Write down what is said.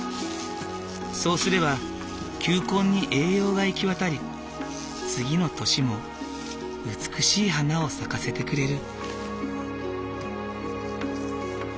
そうすれば球根に栄養が行き渡り次の年も美しい花を咲かせてくれる。